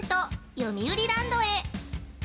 よみうりランドへ。